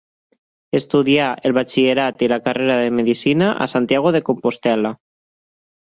Estudià el batxillerat i la carrera de medicina a Santiago de Compostel·la.